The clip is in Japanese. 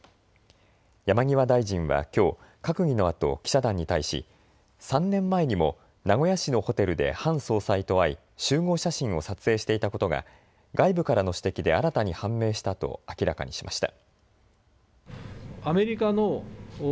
山際大臣はきょう閣議のあと記者団に対し、３年前にも名古屋市のホテルでハン総裁と会い集合写真を撮影していたことが外部からの指摘で新たに判明したと明らかにしました。